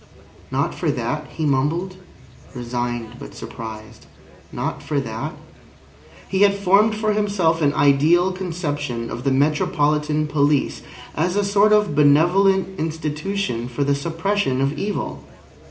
"Not for that?" he mumbled, resigned but surprised. "Not for that?" He had formed for himself an ideal conception of the metropolitan police as a sort of benevolent institution for the suppression of evil.